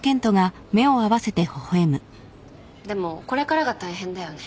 でもこれからが大変だよね。